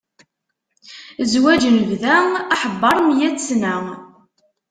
Zwaǧ n bda, aḥebbeṛ meyyat sna.